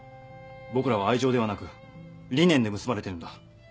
僕らは愛情ではなく理念で結ばれてるんだ。